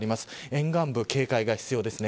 沿岸部、警戒が必要です。